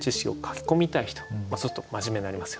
そうすると真面目になりますよね。